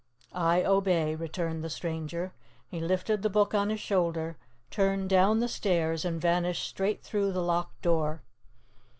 "I obey," returned the stranger. He lifted the Book on his shoulder, turned down the stairs and vanished straight through the locked door.